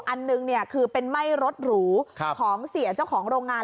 อันหนึ่งคือเป็นไหม้รถหรูของเสียเจ้าของโรงงาน